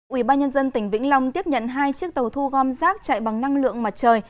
ủy ban nhân dân tỉnh vĩnh long tiếp nhận hai chiếc tàu thu gom rác chạy bằng năng lượng mặt trời